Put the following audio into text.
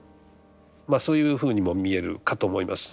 まあそういうふうにも見えるかと思います。